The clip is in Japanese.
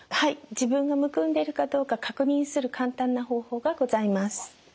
自分がむくんでるかどうか確認する簡単な方法がございます。